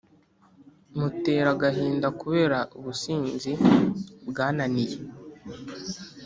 Mutera agahinda kubera ubusinzi bwananiye